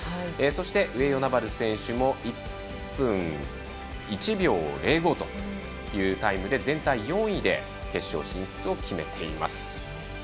上与那原選手も１分１秒０５というタイムで全体４位で決勝進出を決めています。